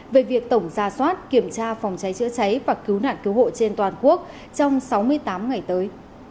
về việc tổng ra soát kiểm tra phòng cháy chữa cháy và cứu nạn cứu hộ trên toàn quốc trong sáu mươi tám ngày tới